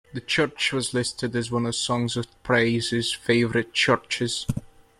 The church was listed as one of Songs of Praise's favourite churches.